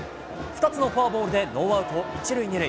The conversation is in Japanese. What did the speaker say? ２つのフォアボールで、ノーアウト１塁２塁。